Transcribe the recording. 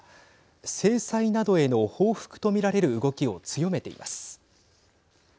制裁などへの報復と見られる動きを強めています。